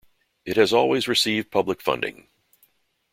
It has always received public funding.